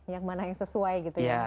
yang mana yang sesuai gitu ya